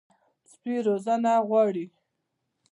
سپي روزنه غواړي.